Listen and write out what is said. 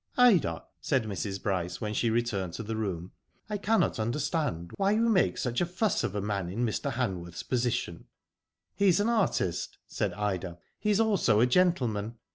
" Ida," said Mrs. Bryce, when she returned to the room, I cannot understand why you make such a fuss of a man in Mr. Hanworth's position." He is an artist," said Ida. '* He is also a gentleman.